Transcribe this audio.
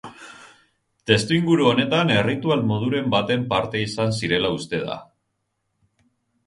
Testuinguru honetan erritual moduren baten parte izan zirela uste da.